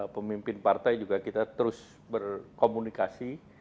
pemimpin partai juga kita terus berkomunikasi